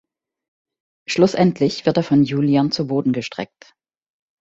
Schlussendlich wird er von Julian zu Boden gestreckt.